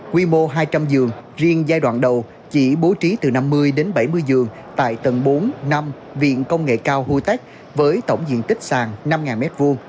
quy mô hai trăm linh giường riêng giai đoạn đầu chỉ bố trí từ năm mươi đến bảy mươi giường tại tầng bốn năm viện công nghệ cao hutech với tổng diện tích sàn năm m hai